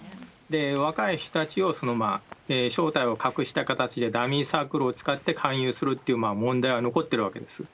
若い人たちを正体を隠した形でダミーサークルを使って勧誘するという問題は残ってるわけです。